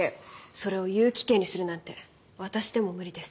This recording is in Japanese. それを有期刑にするなんて私でも無理です。